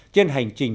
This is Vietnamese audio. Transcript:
trên hành trình